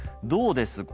どうです？